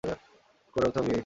কোরের উত্তাপ দিয়েই।